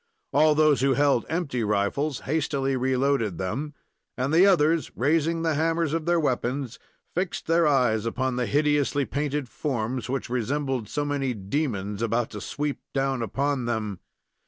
All those who held empty rifles hastily reloaded them, and the others, raising the hammers of their weapons, fixed their eyes upon the hideously painted forms, which resembled so many demons about to sweep down upon them.